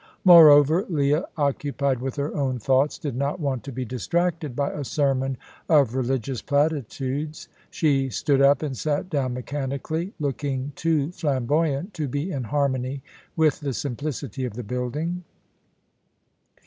Moreover, Leah, occupied with her own thoughts, did not want to be distracted by a sermon of religious platitudes. She stood up and sat down mechanically, looking too flamboyant to be in harmony with the simplicity of the building.